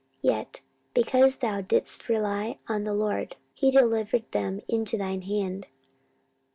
yet, because thou didst rely on the LORD, he delivered them into thine hand.